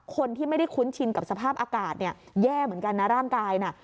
คนที่ไม่ได้คุ้นชินกับสภาพอากาศเนี่ยแย่เหมือนกันนะร่างกายน่ะ